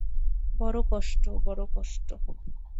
বড় কষ্ট, বড় কষ্ট!